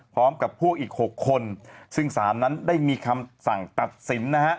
พร้อมกับพวกอีก๖คนซึ่งสารนั้นได้มีคำสั่งตัดสินนะฮะ